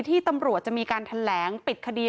ที่ตำรวจจะมีการแถลงปิดคดี